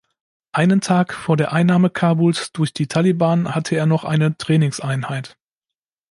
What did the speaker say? Einen Tag vor der Einnahme Kabuls durch die Taliban hatte er noch eine Trainingseinheit.